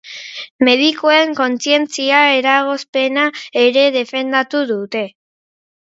Medikuen kontzientzia-eragozpena ere defendatu dute.